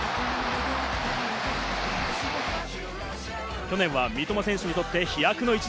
去年は三笘選手にとって飛躍の１年。